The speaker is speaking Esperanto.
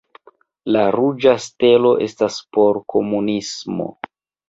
La ruĝa stelo estas por Komunismo.